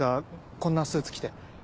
こんなスーツ着て。